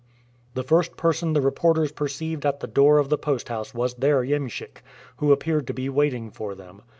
The first person the reporters perceived at the door of the post house was their iemschik, who appeared to be waiting for them.